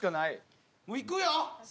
いくよ！